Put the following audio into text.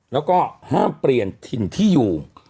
แล้วก็ห้ามเปลี่ยนถิ่นที่อยู่